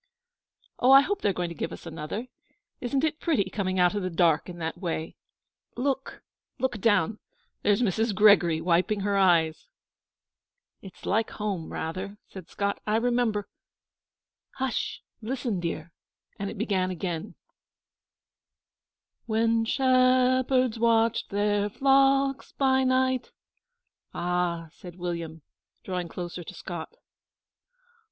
'Oh, I hope they are going to give us another! Isn't it pretty, coming out of the dark in that way? Look look down. There's Mrs. Gregory wiping her eyes!' 'It's like home, rather,' said Scott. 'I remember 'H'sh! Listen! dear.'And it began again: When shepherds watched their flocks by night 'A h h!' said William, drawing closer to Scott.